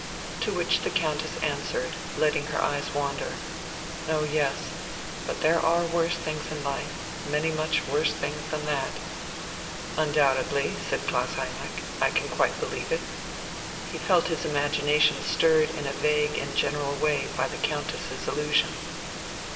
To which the Countess answered, letting her eyes wander: "Oh yes. But there are worse things in life many much worse things than that." "Undoubtedly," said Klaus Heinrich. "I can quite believe it." He felt his imagination stirred in a vague and general way by the Countess's allusion.